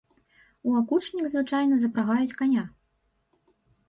У акучнік звычайна запрагаюць каня.